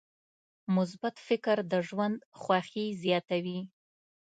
مثبت فکر د ژوند خوښي زیاتوي.